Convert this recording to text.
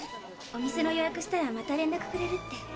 お店の予約したらまた連絡くれるって。